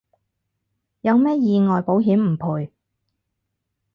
有咩意外保險唔賠